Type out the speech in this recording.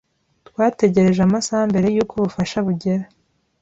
Twategereje amasaha mbere yuko ubufasha bugera.